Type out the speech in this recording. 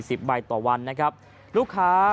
จำนวนนักท่องเที่ยวที่เดินทางมาพักผ่อนเพิ่มขึ้นในปีนี้